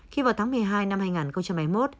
khi vào tháng một mươi hai năm hai nghìn hai mươi một